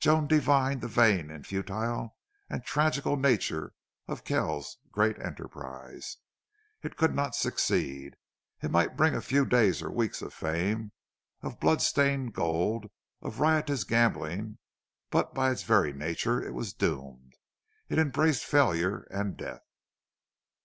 Joan divined the vain and futile and tragical nature of Kell's great enterprise. It could not succeed. It might bring a few days or weeks of fame, of blood stained gold, of riotous gambling, but by its very nature it was doomed. It embraced failure and death.